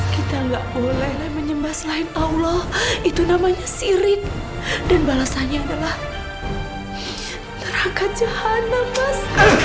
kita nggak boleh menyembah selain allah itu namanya sirit dan balasannya adalah neraka jahat namas